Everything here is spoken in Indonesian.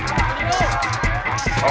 oh beresik loh